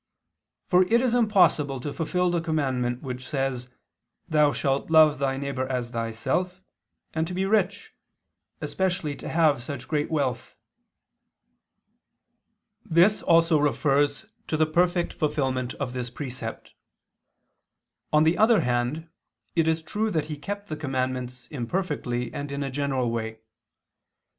For it is impossible to fulfil the commandment which says, Thou shalt love thy neighbor as thyself, and to be rich, especially to have such great wealth." This also refers to the perfect fulfilment of this precept. On the other hand, it is true that he kept the commandments imperfectly and in a general way.